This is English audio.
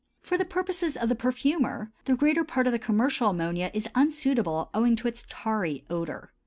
For the purposes of the perfumer, the greater part of the commercial ammonia is unsuitable owing to its tarry odor.